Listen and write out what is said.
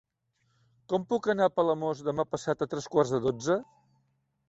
Com puc anar a Palamós demà passat a tres quarts de dotze?